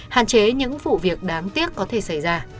hạn chế những vụ việc đáng tiếc có thể xảy ra